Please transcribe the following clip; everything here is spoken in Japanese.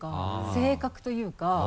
性格というか。